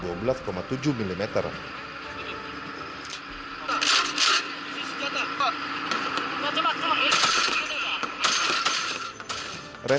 gator berkata gator berkata gator berkata